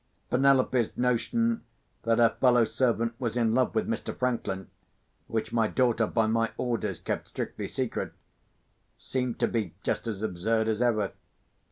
Penelope's notion that her fellow servant was in love with Mr. Franklin (which my daughter, by my orders, kept strictly secret) seemed to be just as absurd as ever.